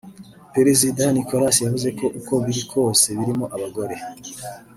Perezida Nicos yavuze ko uko biri kose ‘birimo abagore’